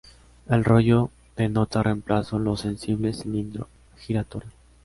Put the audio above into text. El rollo de nota reemplazó los sensibles cilindro giratorio.